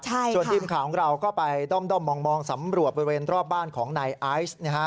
ส่วนทีมข่าวของเราก็ไปด้อมมองสำรวจบริเวณรอบบ้านของนายไอซ์นะฮะ